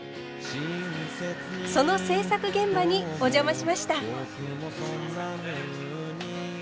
その制作現場にお邪魔しました。